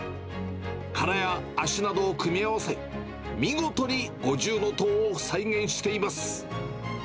殻や足などを組み合わせ、見事に五重塔を再現しています。